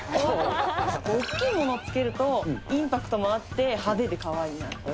大きいものをつけると、インパクトもあって派手でかわいいなって。